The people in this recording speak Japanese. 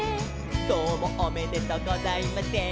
「どうもおめでとうございません」